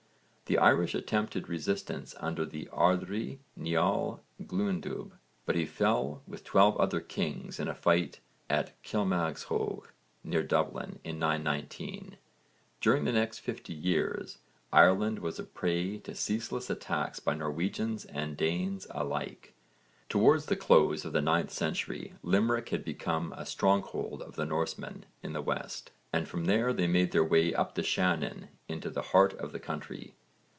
The Irish attempted resistance under the ardrí Niall Glundubh, but he fell with twelve other kings in a fight at Kilmashogue near Dublin in 919. During the next fifty years Ireland was a prey to ceaseless attacks by Norwegians and Danes alike. Towards the close of the 9th century Limerick had become a stronghold of the Norsemen in the west, and from there they made their way up the Shannon into the heart of the country.